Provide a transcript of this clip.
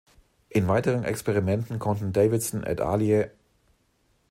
In weiteren Experimenten konnten Davidson et al.